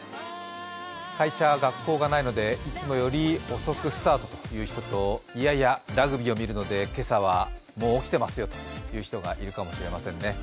会社、学校がないのでいつもより遅くスタートという人といやいや、ラグビーを見るので今朝はもう起きてますよという人がいるかもしれません。